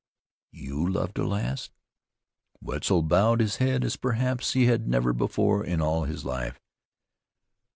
"You loved a lass?" Wetzel bowed his head, as perhaps he had never before in all his life.